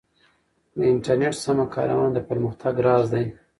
د انټرنیټ سمه کارونه د پرمختګ راز دی.